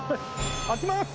開けます！